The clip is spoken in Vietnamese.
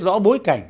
rõ bối cảnh